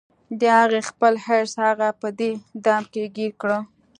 د هغې خپل حرص هغه په دې دام کې ګیر کړه